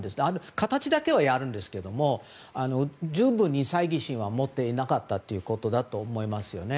形だけはやるんですけども猜疑心は持っていなかったということだと思いますよね。